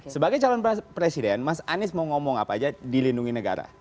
sebagai calon presiden mas anies mau ngomong apa aja dilindungi negara